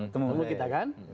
temu kita kan